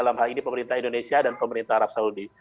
dalam hal ini pemerintah indonesia dan pemerintah arab saudi